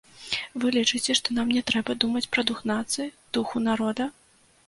Вы лічыце, што нам не трэба думаць пра дух нацыі, духу народа?